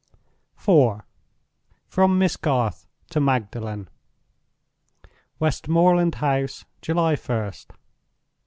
IV. From Miss Garth to Magdalen. "Westmoreland House, July 1st.